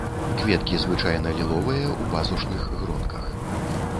Кветкі звычайна ліловыя, у пазушных гронках.